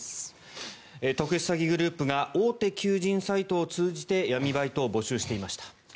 特殊詐欺グループが大手求人サイトを通じて闇バイトを募集していました。